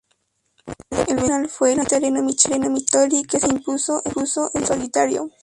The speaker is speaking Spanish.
El vencedor final fue el italiano Michele Bartoli, que se impuso en solitario.